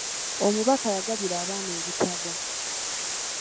Omubaka yagabira abaana ebitabo.